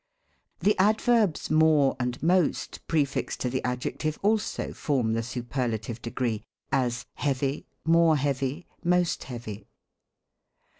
The adverbs more, and ynost, pre fixed to the adjective, also form the superlative degree ; as, heavy, more heavy, most heavy.